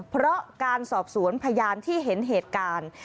เพราะการสอบสวนพยานที่เห็นเหตุการณ์